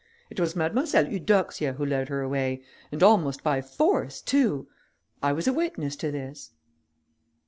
It was Mademoiselle Eudoxia who led her away, and almost by force too; I was a witness to this."